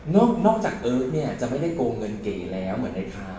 นอกจากเก๋จะไม่ได้โกงเงินเก๋แล้วเหมือนในข่าว